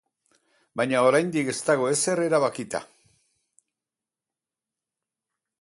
Baina oraindik ez dago ezer erabakita.